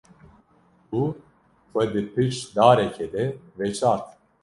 Û xwe di piş darekê de veşart.